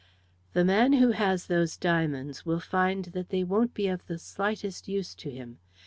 "The man who has those diamonds will find that they won't be of the slightest use to him.